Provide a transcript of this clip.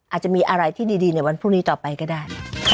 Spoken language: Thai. อาจจะมีอะไรที่ดีในวันพรุ่งนี้ต่อไปก็ได้